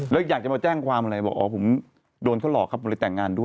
แล้วอยากจะมาแจ้งความอะไรบอกอ๋อผมโดนเขาหลอกครับผมเลยแต่งงานด้วย